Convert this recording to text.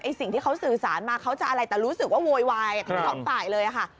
สิ่งที่เขาสื่อสารมาเขาจะอะไรแต่รู้สึกว่าโวยวายทั้งสองฝ่ายเลยค่ะ